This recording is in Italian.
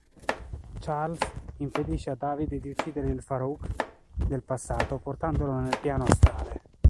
Charles impedisce a David di uccidere il Farouk del passato portandolo nel piano astrale.